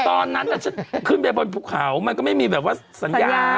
ตอนนั้นฉันขึ้นไปบนภูเขามันก็ไม่มีแบบว่าสัญญา